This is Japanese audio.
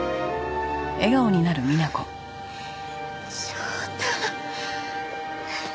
翔太。